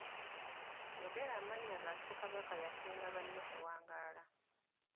Yogera amannya ga Ssekabaka eyasinga banne okuwangaala.